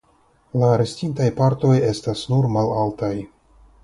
La restintaj partoj estas nur malaltaj.